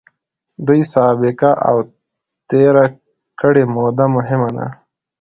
دوی سابقه او تېره کړې موده مهمه ده.